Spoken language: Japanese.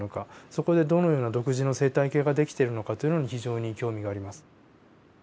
そこでどのような独自の生態系が出来ているのかというのに非常に興味があります。